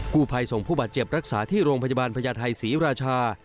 ผู้ภัยส่งผู้บาดเจ็บรักษาที่โรงพยาบาลพญาไทยศรีราชา